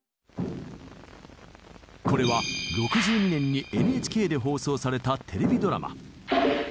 これは６２年にＮＨＫで放送されたテレビドラマ。